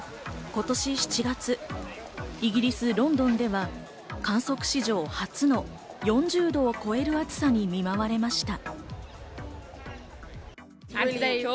今年７月、イギリス・ロンドンでは観測史上初の４０度を超える暑さに見舞われました。